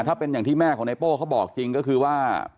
ถ้าเป็นอย่างที่แม่ของไนโป้เขาบอกจริงก็คือว่า